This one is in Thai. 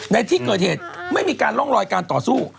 ในที่เกิดเหตุไม่มีการร่องรอยการต่อสู้